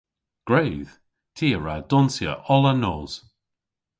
Gwredh. Ty a wra donsya oll an nos.